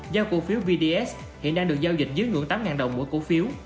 giao cổ phiếu vds hiện đang được giao dịch dưới ngưỡng tám đồng mỗi cổ phiếu